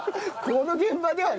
この現場では。